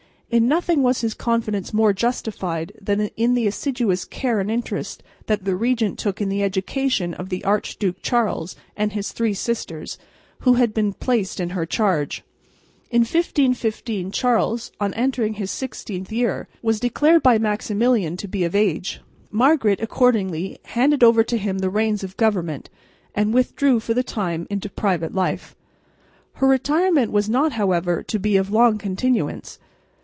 In nothing was his confidence more justified than in the assiduous care and interest that the regent took in the education of the Archduke Charles and his three sisters, who had been placed in her charge. In 1515 Charles, on entering his sixteenth year, was declared by Maximilian to be of age; Margaret accordingly handed over to him the reins of government and withdrew for the time into private life. Her retirement was not, however, to be of long continuance.